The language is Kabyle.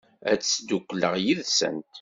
Ad ttdukkuleɣ yid-sent.